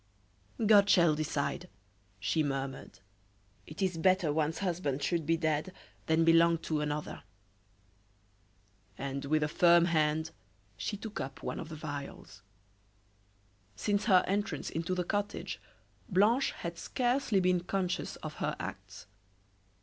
"God shall decide!" she murmured. "It is better one's husband should be dead than belong to another!" And with a firm hand, she took up one of the vials. Since her entrance into the cottage Blanche had scarcely been conscious of her acts.